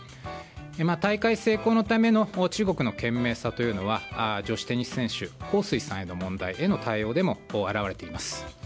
大会成功のための中国の懸命さというのは女子テニス選手ホウ・スイさんの問題への対応でも表れています。